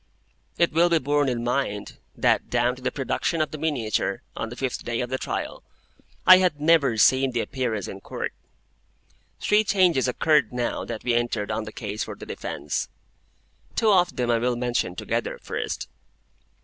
It will be borne in mind that down to the production of the miniature, on the fifth day of the trial, I had never seen the Appearance in Court. Three changes occurred now that we entered on the case for the defence. Two of them I will mention together, first.